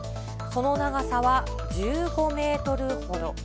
その長さは１５メートルほど。